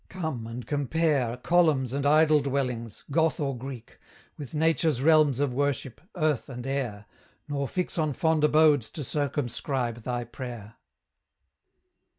Come, and compare Columns and idol dwellings, Goth or Greek, With Nature's realms of worship, earth and air, Nor fix on fond abodes to circumscribe thy prayer!